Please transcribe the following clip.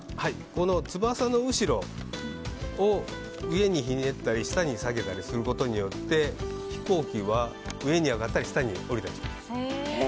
この翼の後ろを上にひねったり下に下げたりすることによって飛行機は上に上がったり下に下りたりします。